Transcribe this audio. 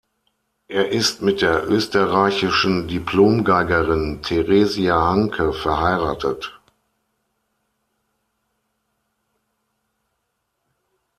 Er ist mit der österreichischen Diplom-Geigerin Theresia Hanke verheiratet.